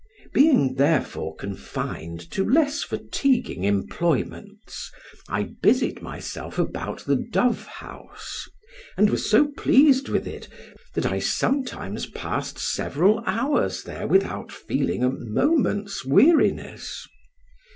Being therefore confined to less fatiguing employments, I busied myself about the dove house, and was so pleased with it that I sometimes passed several hours there without feeling a moment's weariness.